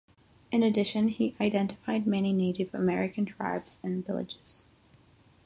In addition, he identified many Native American tribes and villages.